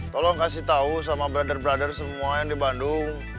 tolong kasih tahu sama brother brother semua yang di bandung